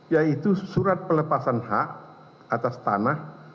yaitu surat pelepasan hak atas tanah